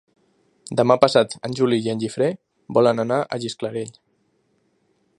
Demà passat en Juli i en Guifré volen anar a Gisclareny.